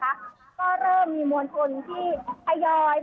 จัดจรรย์เป็นที่เรียบร้อยแล้ว